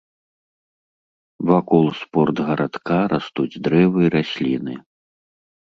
Вакол спортгарадка растуць дрэвы і расліны.